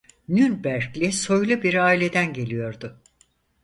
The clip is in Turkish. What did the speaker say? Nürnberg'li soylu bir aileden geliyordu.